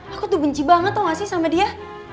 aku tuh benci banget tau gak sih sama dia